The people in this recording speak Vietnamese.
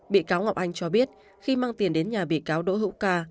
bị cáo ngọc anh cho biết khi mang tiền đến nhà bị cáo đỗ hữu ca